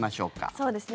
そうですね。